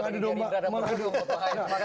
menjadi berada berbeda